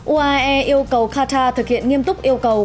uae yêu cầu kha thực hiện nghiêm túc yêu cầu